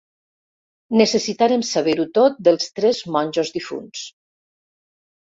Necessitarem saber-ho tot dels tres monjos difunts.